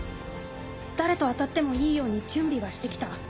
誰と当たってもいいように準備はしてきた。